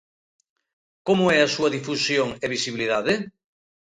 Como é a súa difusión e visibilidade?